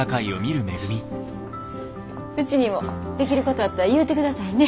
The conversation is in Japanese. うちにもできることあったら言うてくださいね。